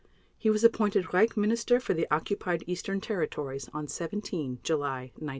He was appointed Reich Minister for the Occupied Eastern Territories on 17 July 1941.